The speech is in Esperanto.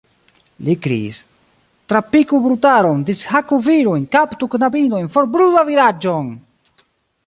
li kriis: trapiku brutaron, dishaku virojn, kaptu knabinojn, forbrulu la vilaĝon!